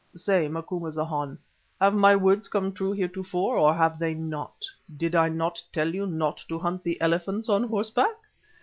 Say, Macumazahn, have my words come true heretofore, or have they not? Did I not tell you not to hunt the elephants on horseback?